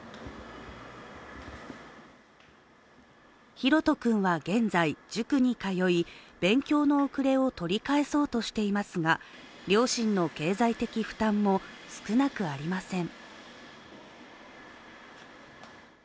ひろと君は現在、塾に通い勉強の遅れを取り返そうとしていますが両親の経済的負担も少なくありません。